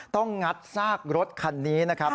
งัดซากรถคันนี้นะครับ